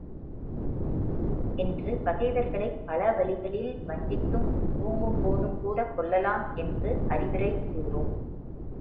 என்று பகைவர்களைப் பல வழிகளில் வஞ்சித்தும் தூங்கும் போதும்கூடக் கொல்லலாம் என்று அறிவுரை கூறும்.